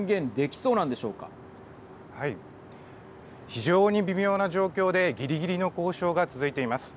非常に微妙な状況でぎりぎりの交渉が続いています。